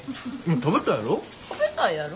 食べたいやろ？